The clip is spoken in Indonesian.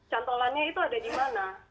jadi cantolannya itu ada di mana